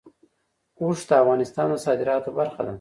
اوښ د افغانستان د صادراتو برخه ده.